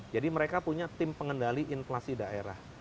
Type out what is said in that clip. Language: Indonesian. jadi mereka punya tim pengendali inflasi daerah